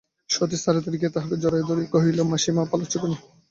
সতীশ তাড়াতাড়ি গিয়া তাঁহাকে জড়াইয়া ধরিয়া কহিল, মাসিমা, পালাচ্ছ কেন?